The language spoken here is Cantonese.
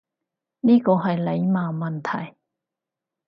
呢個係禮貌問題